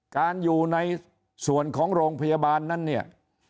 การอยู่ในส่วนของโรงพยาบาลนั้นเนี่ย